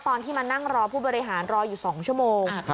ตอนที่มานั่งรอผู้บริหารรออยู่๒ชั่วโมง